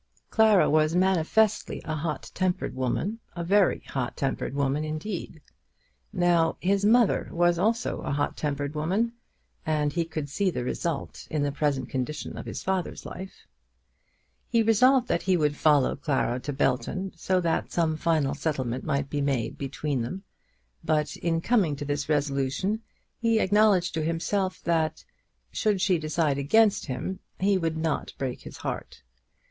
Clara was manifestly a hot tempered woman, a very hot tempered woman indeed! Now his mother was also a hot tempered woman, and he could see the result in the present condition of his father's life. He resolved that he would follow Clara to Belton, so that some final settlement might be made between them; but in coming to this resolution he acknowledged to himself that should she decide against him he would not break his heart.